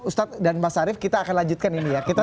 ustadz dan mas arief kita akan lanjutkan ini ya